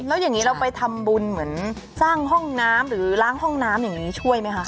แล้วอย่างนี้เราไปทำบุญเหมือนสร้างห้องน้ำหรือล้างห้องน้ำอย่างนี้ช่วยไหมคะ